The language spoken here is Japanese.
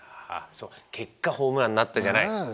「結果ホームランになった」じゃない。